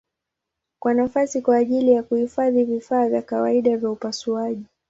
Kuna nafasi kwa ajili ya kuhifadhi vifaa vya kawaida vya upasuaji.